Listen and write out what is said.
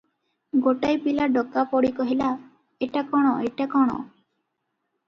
ଗୋଟାଏ ପିଲା ଡକାପଡ଼ି କହିଲା, ଏଟା କ'ଣ ଏଟା କ'ଣ?